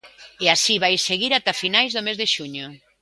E así vai seguir ata finais do mes de xuño.